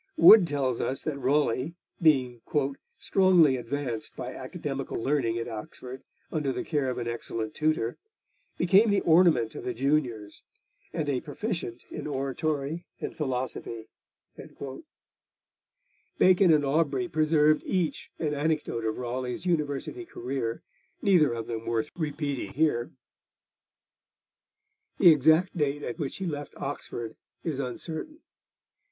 Wood tells us that Raleigh, being 'strongly advanced by academical learning at Oxford, under the care of an excellent tutor, became the ornament of the juniors, and a proficient in oratory and philosophy.' Bacon and Aubrey preserved each an anecdote of Raleigh's university career, neither of them worth repeating here. The exact date at which he left Oxford is uncertain.